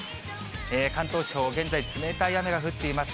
関東地方、現在、冷たい雨が降っています。